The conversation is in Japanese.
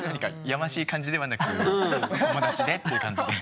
やましい感じではなく友達でっていう感じで。